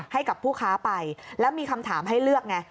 ให้กับผู้ค้าไปแล้วมีคำถามให้เลือกไง